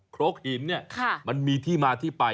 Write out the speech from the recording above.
ครกหินเนี่ยมันมีที่มาที่ไป